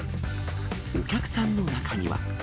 お客さんの中には。